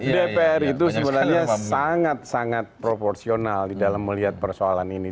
dpr itu sebenarnya sangat sangat proporsional di dalam melihat persoalan ini